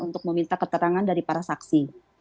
untuk meminta keterangan dari para saksi